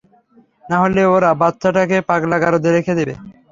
নাহলে ওরা বাচ্চাটাকে পাগলা গারদে রেখে দেবে।